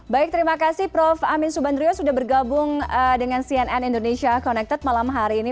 baik terima kasih prof amin subandrio sudah bergabung dengan cnn indonesia connected malam hari ini